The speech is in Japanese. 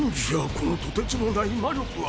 このとてつもない魔力は。